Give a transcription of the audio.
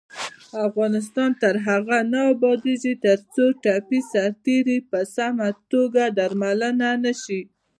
افغانستان تر هغو نه ابادیږي، ترڅو ټپي سرتیري په سمه توګه درملنه نشي.